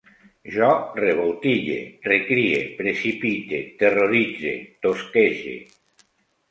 Jo revoltille,, recrie, precipite, terroritze, tosquege